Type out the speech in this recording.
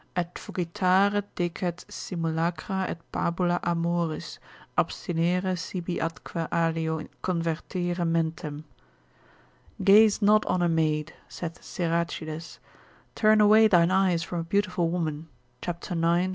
Et fugitare decet simulacra et pabula amoris, Abstinere sibi atque alio convertere mentem. Gaze not on a maid, saith Siracides, turn away thine eyes from a beautiful woman, c. 9. v.